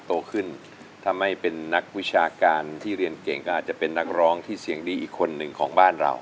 โตขึ้นถ้าไม่เป็นนักวิชาการที่เรียนเก่งก็อาจจะเป็นนักร้องที่เสียงดีอีกคนหนึ่งของบ้านเรา